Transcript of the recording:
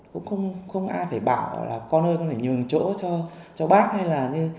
cũng không ai phải bảo là con ơi con phải nhường chỗ cho bác hay là